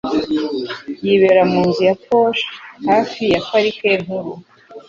Yibera mu nzu ya posh hafi ya Parike Nkuru.